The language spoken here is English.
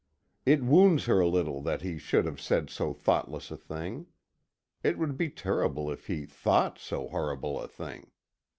It wounds her a little that he should have said so thoughtless a thing. It would be terrible if he thought so horrible a thing.